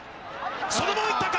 そのまま行ったか？